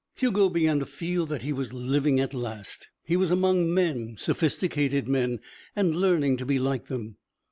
Hugo began to feel that he was living at last. He was among men, sophisticated men, and learning to be like them.